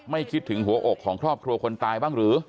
คิดถึงหัวอกของครอบครัวคนตายบ้างหรือ